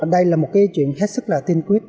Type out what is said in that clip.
đây là một cái chuyện hết sức là tiên quyết